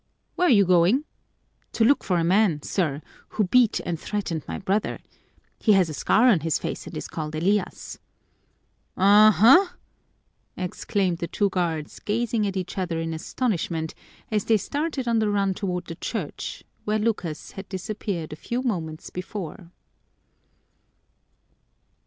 "Where you going?" "To look for a man, sir, who beat and threatened my brother. He has a scar on his face and is called Elias." "Aha!" exclaimed the two guards, gazing at each other in astonishment, as they started on the run toward the church, where Lucas had disappeared a few moments before.